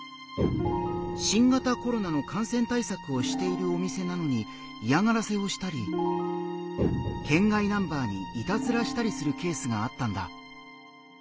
新型コロナの感染対策をしているお店なのに嫌がらせをしたり県外ナンバーにいたずらしたりするケースがあったんだ。